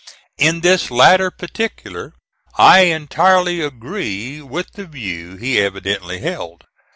In this latter particular I entirely agree with the view he evidently held.